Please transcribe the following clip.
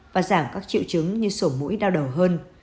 và giảm các triệu chứng như sổ mũi đau đầu hơn